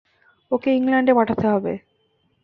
ওকে ইংল্যান্ডে পাঠাতে হবে।